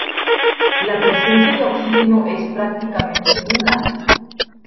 La presencia de oxígeno es prácticamente nula.